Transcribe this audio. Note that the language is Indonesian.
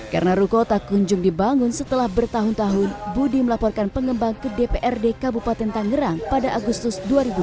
karena ruko tak kunjung dibangun setelah bertahun tahun budi melaporkan pengembang ke dprd kabupaten tangerang pada agustus dua ribu dua puluh dua